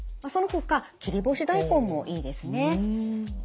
そのほか切り干し大根もいいですね。